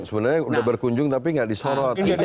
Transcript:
sebenarnya udah berkunjung tapi nggak disorot